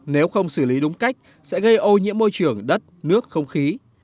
nếu không xử lý đúng cách sẽ gây ô nhiễm môi trường đất nước không khí